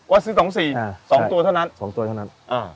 ว่าซื้อสองสี่อ่าสองตัวเท่านั้นสองตัวเท่านั้นอ่า